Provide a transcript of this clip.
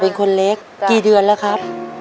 เป็นคนเล็กกี่เดือนแล้วครับ